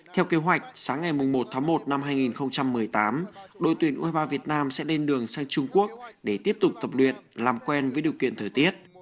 theo kế hoạch sáng ngày một tháng một năm hai nghìn một mươi tám đội tuyển u hai mươi ba việt nam sẽ lên đường sang trung quốc để tiếp tục tập luyện làm quen với điều kiện thời tiết